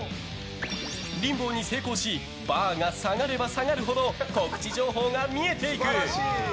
リンボーに成功しバーが下がれば下がるほど告知情報が見えていく。